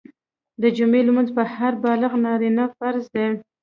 د جمعي لمونځ په هر بالغ نارينه فرض دی